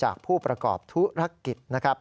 ผู้ประกอบธุรกิจนะครับ